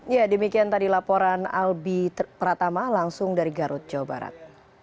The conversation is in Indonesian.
ya demikian tadi laporan albi pratama langsung dari garut jawa barat